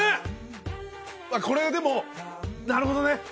これでもなるほどね。